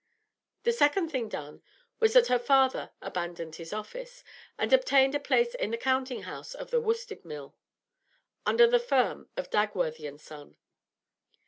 The second thing done was that her father abandoned his office, and obtained a place in the counting house of a worsted mill, under the firm of Dagworthy and Son.